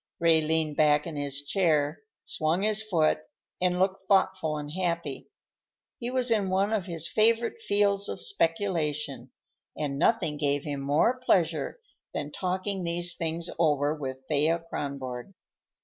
Ray leaned back in his chair, swung his foot, and looked thoughtful and happy. He was in one of his favorite fields of speculation, and nothing gave him more pleasure than talking these things over with Thea Kronborg.